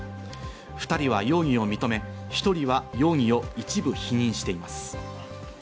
２人は容疑を認め、１人は容疑を一部否認しています。